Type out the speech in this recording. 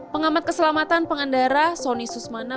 pengamat keselamatan pengendara sony susmana